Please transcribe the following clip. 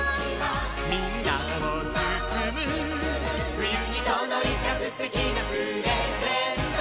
「みんなをつつむ」「ふゆにとどいたすてきなプレゼント」